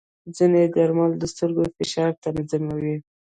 ځینې درمل د سترګو فشار تنظیموي.